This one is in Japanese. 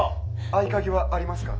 ・合鍵はありますか？